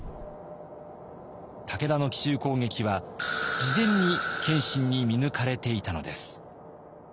武田の奇襲攻撃は事前に謙信に見抜かれていたのです。